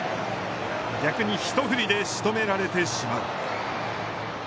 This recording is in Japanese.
逆に、一振りでしとめられてしまう。